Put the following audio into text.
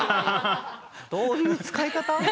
どういう使い方？